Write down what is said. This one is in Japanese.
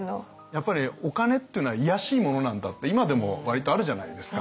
やっぱりお金っていうのは卑しいものなんだって今でも割とあるじゃないですか。